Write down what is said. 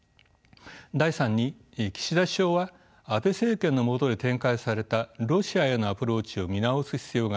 第３に岸田首相は安倍政権の下で展開されたロシアへのアプローチを見直す必要があります。